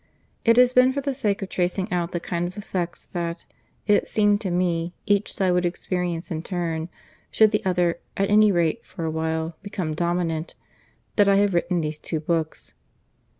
It has been for the sake of tracing out the kind of effects that, it seemed to me, each side would experience in turn, should the other, at any rate for a while, become dominant, that I have written these two books.